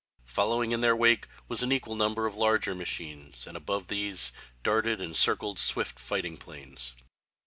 Following in their wake was an equal number of larger machines, and above these darted and circled swift fighting planes.